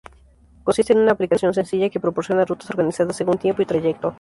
Consiste en una aplicación sencilla que proporciona rutas organizadas según tiempo y trayecto.